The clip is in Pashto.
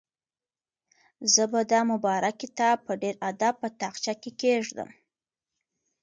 زه به دا مبارک کتاب په ډېر ادب په تاقچه کې کېږدم.